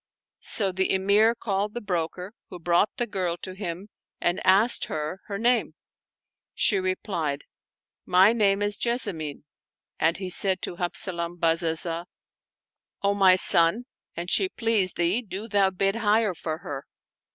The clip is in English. So the Emir called the broker, who brought the girl to him and asked her her name. She replied, " My name is Jessamine"; and he said to Habzalam Bazazah, "O my son, an she please thee, do thou bid higher for her."